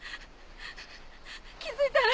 気づいたら。